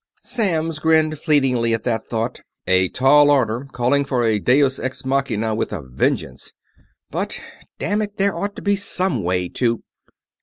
Samms grinned fleetingly at that thought. A tall order one calling for a deus ex machina with a vengeance.... But damn it, there ought to be some way to....